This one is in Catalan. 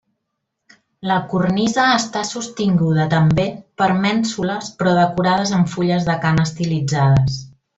La cornisa està sostinguda, també, per mènsules però decorades amb fulles d'acant estilitzades.